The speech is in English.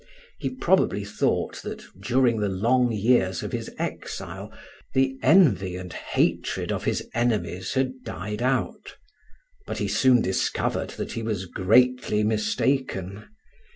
He probably thought that during the long years of his exile, the envy and hatred of his enemies had died out; but he soon discovered that he was greatly mistaken.